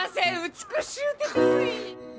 美しゅうてつい。